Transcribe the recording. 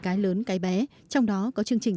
cái lớn cái bé trong đó có chương trình